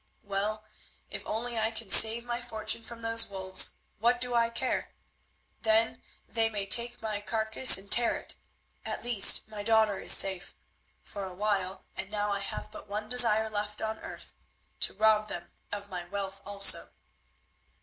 Well, if only I can save my fortune from those wolves, what do I care? Then they may take my carcase and tear it. At least, my daughter is safe—for a while, and now I have but one desire left on earth—to rob them of my wealth also."